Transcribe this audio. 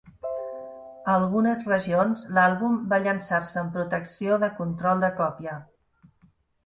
A algunes regions l'àlbum va llençar-se amb protecció de control de còpia.